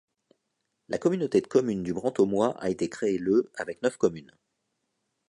La communauté de communes du Brantômois a été créée le avec neuf communes.